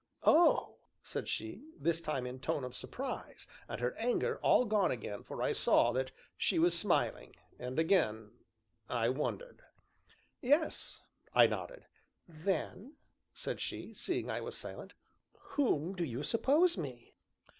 "Oh!" said she this time in a tone of surprise, and her anger all gone again, for I saw that she was smiling; and again I wondered. "Yes," I nodded. "Then," said she, seeing I was silent, "whom do you suppose me?"